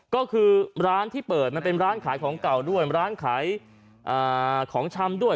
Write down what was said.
ก็คือร้านที่เปิดมันเป็นร้านขายของเก่าด้วยร้านขายของชำด้วย